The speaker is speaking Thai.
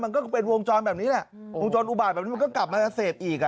มันก็เป็นวงจรแบบนี้แหละวงจรอุบาตแบบนี้มันก็กลับมาจะเสพอีกอ่ะ